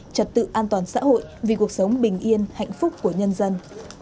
trật tự an toàn xã hội vì cuộc sống bình yên hạnh phúc của nhân dân